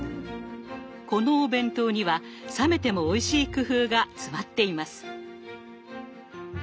このお弁当には冷めてもおいしい工夫が詰まっています。